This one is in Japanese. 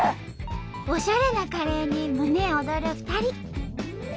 オシャレなカレーに胸躍る２人。